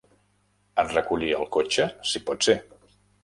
En recollir el cotxe, si pot ser.